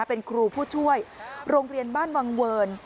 เป็นครูผู้ช่วยโรงเรียนบ้านวังเวิร์น